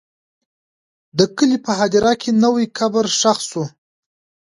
د کلي په هدیره کې نوی قبر ښخ شو.